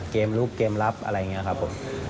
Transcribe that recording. ลูกเกมรับอะไรอย่างนี้ครับผม